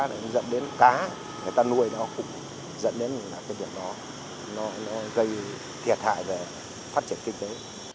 để nó dẫn đến cá người ta nuôi nó cũng dẫn đến cái việc đó nó gây thiệt hại về phát triển kinh tế